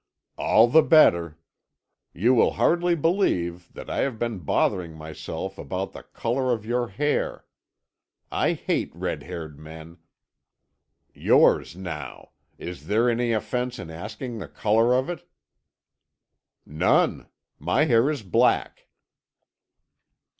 "All the better. You will hardly believe that I have been bothering myself about the colour of your hair. I hate red haired men. Yours, now. Is there any offence in asking the colour of it?" "None. My hair is black."